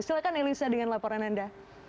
silahkan elisa dengan laporan anda